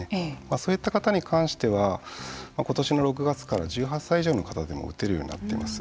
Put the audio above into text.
そういった方に関しては今年の６月から１８歳以上の方でも打てるようになっています。